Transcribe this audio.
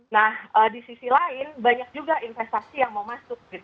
nah di sisi lain banyak juga investasi yang mau masuk